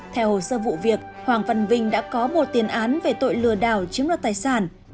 theo hồ sơ vụ việc hoàng văn vinh đã có một tiền án về tội lừa đảo chiếm đoạt tài sản